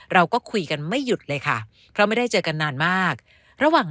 เราก็คุยกันไม่หยุดเลยค่ะเพราะไม่ได้เจอกันนานมากระหว่าง